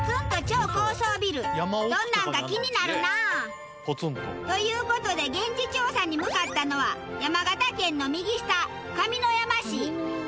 どんなんか気になるなあ。という事で現地調査に向かったのは山形県の右下上山市。